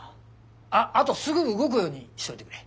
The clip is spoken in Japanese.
あっあとすぐ動くようにしといてくれ。